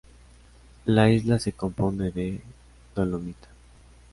La isla se compone de dolomita.